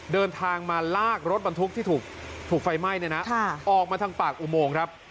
เดินทางมาลากรถบรรทุกที่ถูกไฟไหม้เนี่ยนะออกมาทางปากอุโมงครับ